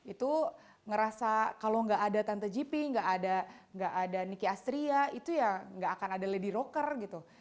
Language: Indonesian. itu ngerasa kalau nggak ada tante gp nggak ada niki astria itu ya nggak akan ada lady rocker gitu